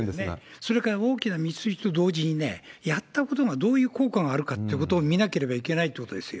それから大きな道筋と同時にね、やったことがどういう効果があるかってことを見なければいけないということですよ。